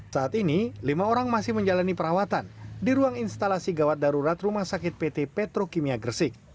saat ini lima orang masih menjalani perawatan di ruang instalasi gawat darurat rumah sakit pt petrokimia gresik